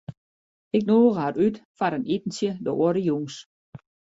Ik nûge har út foar in itentsje de oare jûns.